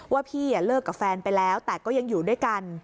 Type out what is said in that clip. ว่าพี่เลิกกับแฟนไปแล้วแต่ก็ยังอยู่ด้วยกัน